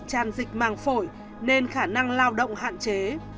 tràn dịch màng phổi nên khả năng lao động hạn chế